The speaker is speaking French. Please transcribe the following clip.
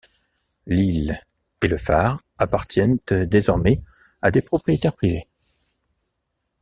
L'île et le phare appartiennent désormais à des propriétaires privés.